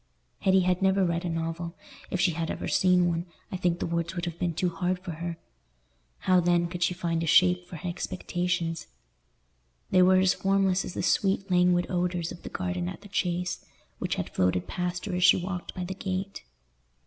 Hetty had never read a novel; if she had ever seen one, I think the words would have been too hard for her; how then could she find a shape for her expectations? They were as formless as the sweet languid odours of the garden at the Chase, which had floated past her as she walked by the gate.